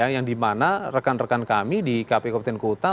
yang dimana rekan rekan kami di kpu kabupaten kota